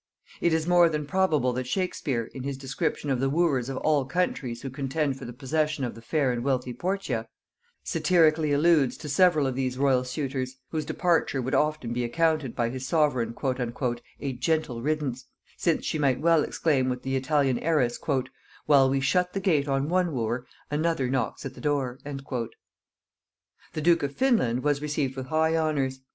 It is more than probable that Shakespear, in his description of the wooers of all countries who contend for the possession of the fair and wealthy Portia, satirically alludes to several of these royal suitors, whose departure would often be accounted by his sovereign "a gentle ridance," since she might well exclaim with the Italian heiress, "while we shut the gate on one wooer, another knocks at the door." [Note 43: See "The Merchant of Venice."] The duke of Finland was received with high honors.